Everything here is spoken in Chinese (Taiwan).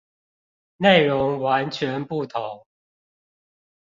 內容完全不同